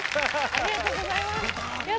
ありがとうございますやった！